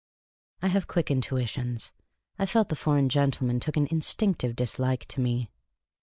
I have quick intuitions. I felt the foreign gentleman took an instinctive dislike to me.